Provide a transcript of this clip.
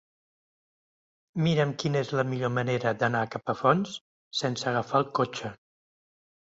Mira'm quina és la millor manera d'anar a Capafonts sense agafar el cotxe.